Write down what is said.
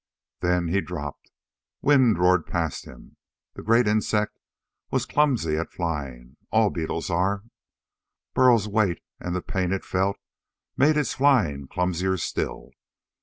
Then he dropped. Wind roared past him. The great insect was clumsy at flying. All beetles are. Burl's weight and the pain it felt made its flying clumsier still.